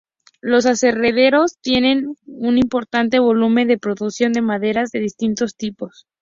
Los aserraderos tienen un importante volumen de producción de maderas de distintos tipos.